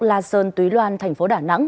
la sơn túy loan thành phố đà nẵng